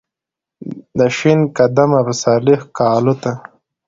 دشین قدمه پسرلی ښکالو ته ،